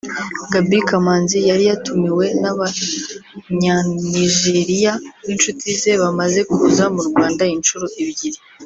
Gaby Kamanzi yari yatumiwe n’abanya Nigeria b’inshuti ze bamaze kuza mu Rwanda inshuro ebyiri